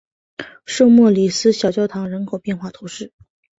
圣莫里斯小教堂人口变化图示